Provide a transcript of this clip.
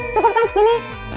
cukup kan segini